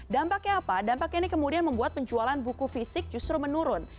dampaknya apa dampaknya ini kemudian membuat penjualan buku fisik justru menurun